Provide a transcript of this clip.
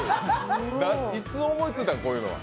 いつ思いついたの、こういうのは。